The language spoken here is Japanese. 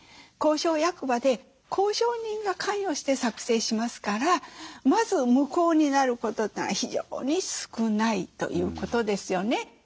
公証役場で公証人が関与して作成しますからまず無効になることってのが非常に少ないということですよね。